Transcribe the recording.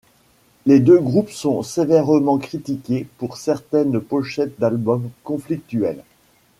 Les deux groupes sont sévèrement critiqués pour certaines pochettes d'albums conflictuelles.